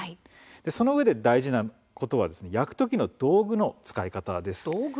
そのうえで大事なのは焼く時の道具の使い方です。